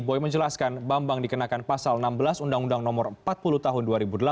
boy menjelaskan bambang dikenakan pasal enam belas undang undang no empat puluh tahun dua ribu delapan